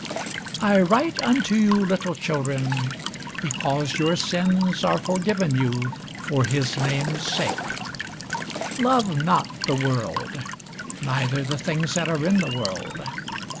I write unto you, little children, because your sins are forgiven you for his name's sake. Love not the world, neither the things that are in the world.